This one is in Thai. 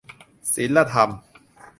ศีลธรรม